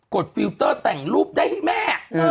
ดฟิลเตอร์แต่งรูปได้ให้แม่